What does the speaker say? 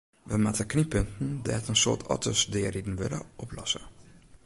We moatte knyppunten dêr't in soad otters deariden wurde, oplosse.